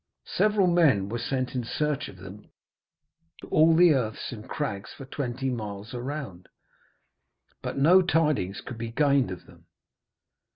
Several men were sent in search of them to all the earths and crags for twenty miles round, but no tidings could be gained of them.